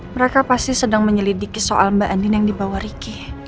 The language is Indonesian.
mereka pasti sedang menyelidiki soal mbak andin yang dibawa ricky